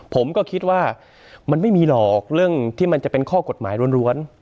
ผมก็คิดว่ามันไม่มีหรอกเรื่องที่มันจะเป็นข้อกฎหมายล้วน